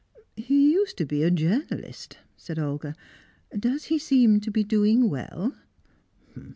"He used to be a journalist," said Olga. "Does he seem to be doing well?"